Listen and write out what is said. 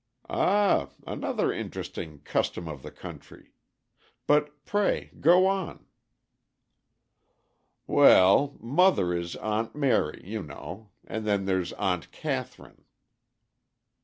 "Ah! another interesting custom of the country. But pray go on." "Well, mother is 'Aunt Mary,' you know, and then there's Aunt Catherine."